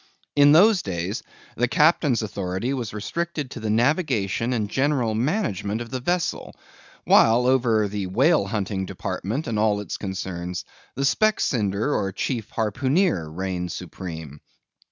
In those days, the captain's authority was restricted to the navigation and general management of the vessel; while over the whale hunting department and all its concerns, the Specksnyder or Chief Harpooneer reigned supreme.